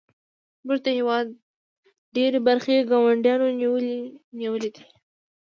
زموږ د هیواد ډیرې برخې ګاونډیانو نیولې دي